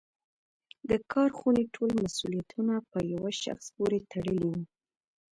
د کارخونې ټول مسوولیت په یوه شخص پورې تړلی و.